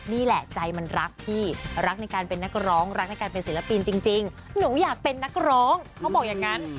นี่แหละใจมันรักพี่รักในการเป็นนักร้องรักในการเป็นศิลปินจริงหนูอยากเป็นนักร้องเขาบอกอย่างนั้น